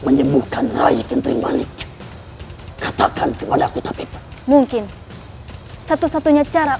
menyembuhkan raih kentering manik katakan kepada aku tapi mungkin satu satunya cara